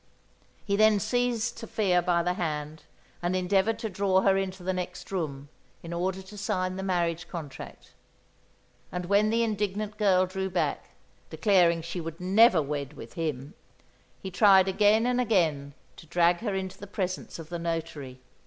He then seized Sophia by the hand and endeavoured to draw her into the next room in order to sign the marriage contract; and when the indignant girl drew back, declaring that she would never wed with him, he tried again and again to drag her into the presence of the notary.